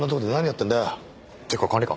っていうか